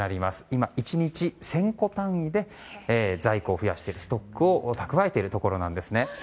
今、１日１０００個単位で在庫を増やしているストックを蓄えているところなんですね。